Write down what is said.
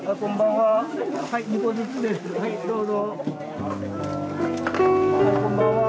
はいどうぞ。